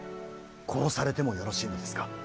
殺されてもよろしいのですか。